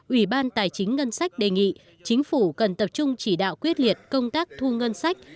ủy ban tài chính ngân sách đề nghị chính phủ cần tập trung chỉ đạo quyết liệt công tác thu ngân sách